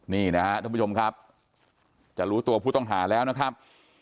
นี่นะครับท่านผู้ชมครับจะรู้ตัวผู้ต้องหาแล้วนะครับ